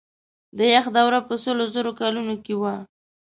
د یخ دوره په سلو زرو کلونو کې وه.